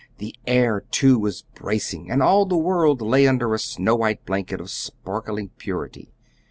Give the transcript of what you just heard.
The air, too, was bracing, and all the world lay under a snow white blanket of sparkling purity.